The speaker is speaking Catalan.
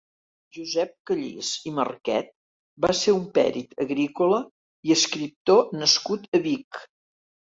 Josep Callís i Marquet va ser un pèrit agrícola i escriptor nascut a Vic.